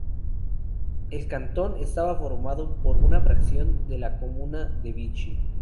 El cantón estaba formado por una fracción de la comuna de Vichy.